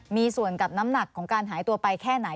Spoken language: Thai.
มีส่วนกับน้ำหนักของการหายตัวไปแค่ไหน